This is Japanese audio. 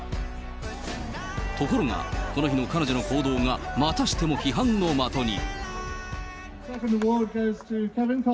ところが、この日の彼女の行動がまたしても批判の的に。